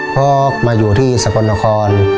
พ่อมาอยู่ที่สกลนคร